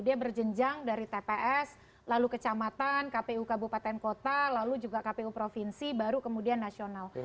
dia berjenjang dari tps lalu kecamatan kpu kabupaten kota lalu juga kpu provinsi baru kemudian nasional